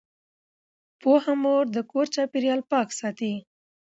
پوهه مور د کور چاپیریال پاک ساتي۔